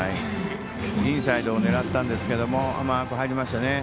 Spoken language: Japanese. インサイドを狙ったんですけど甘く入りましたね。